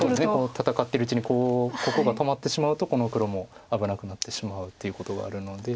戦ってるうちにこうここが止まってしまうとこの黒も危なくなってしまうっていうことがあるので。